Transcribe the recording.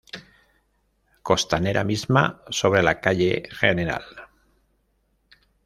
Costanera misma, sobre la calle Gral.